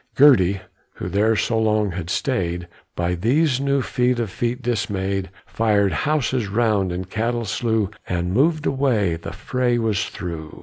Girty, who there so long had stayed, By this new feat of feet dismayed, Fired houses round and cattle slew, And moved away the fray was through.